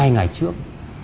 hai ngày trước